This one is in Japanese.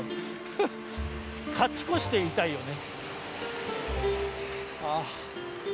フッ勝ち越していたいよね。